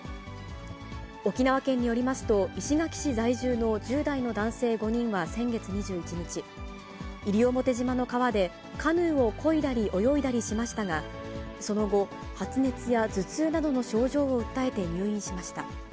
沖縄県によりますと、石垣市在住の１０代の男性５人は先月２１日、西表島の川で、カヌーをこいだり泳いだりしましたが、その後、発熱や頭痛などの症状を訴えて入院しました。